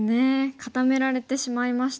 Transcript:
固められてしまいましたね。